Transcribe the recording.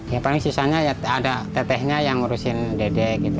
ya paling sisanya ya ada tetehnya yang ngurusin dedek gitu